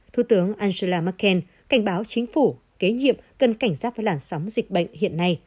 thủ tướng angela merkel cảnh báo chính phủ kế nhiệm cần cảnh giác với làn sóng dịch bệnh hiện nay